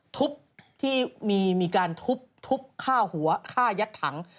ทุบที่มีการทุบฆ่าหัวฆ่ายัดถัง